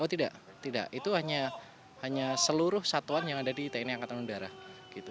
oh tidak itu hanya seluruh satuan yang ada di tni au